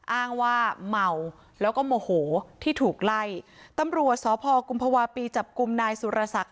อ้างว่าเมาแล้วก็โมโหที่ถูกไล่ตำรวจสพกุมภาวะปีจับกลุ่มนายสุรศักดิ